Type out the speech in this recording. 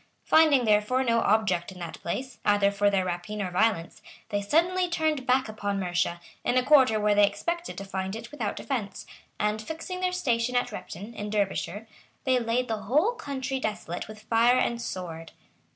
Finding, therefore, no object in that place, either for their rapine or violence, they suddenly turned back upon Mercia, in a quarter where they expected to find it without defence; and fixing their station at Repton, in Derbyshire, they laid the whole country desolate with fire and sword.